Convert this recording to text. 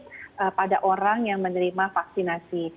kepada orang yang menerima vaksinasi